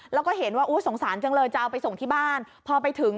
แล้วก็เห็นว่าสงสารจังเลยจะเอาไปส่งที่บ้านพอไปถึง